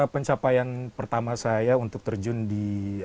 pencapaian pertama saya untuk terjun di